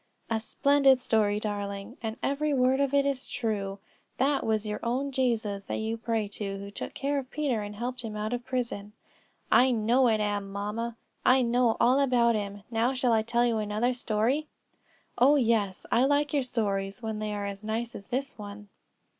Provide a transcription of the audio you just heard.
"A splendid story, darling; and every word of it is true. That was your own Jesus that you pray to, who took care of Peter and helped him out of prison." "I know it am, mamma; I know all about him. Now, shall I tell you another story?" "Oh, yes; I like your stories when they are as nice as this one."